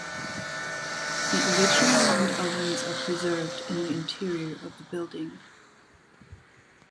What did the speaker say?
The original round ovens are preserved in the interior of the building.